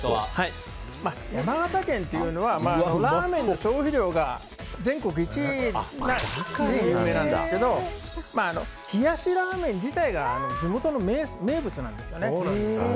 山形県というのはラーメンの消費量が全国１位で有名なんですが冷やしラーメン自体が地元の名物なんです。